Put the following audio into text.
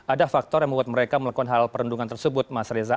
ada faktor yang membuat mereka melakukan hal perundungan tersebut mas reza